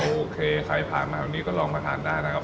โอเคใครผ่านมาแถวนี้ก็ลองมาทานได้นะครับ